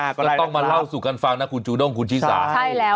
ก็ต้องมาเล่าสู่กันฟังนะคุณจูด้งคุณชิสาใช่แล้ว